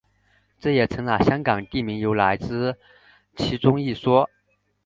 这也成了香港地名由来之其中一说。